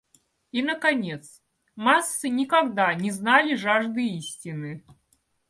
И наконец: массы никогда не знали жажды истины.